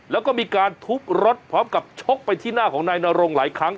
แล้วก็มีการทุบรถพร้อมกับชกไปที่หน้าของนายนรงหลายครั้ง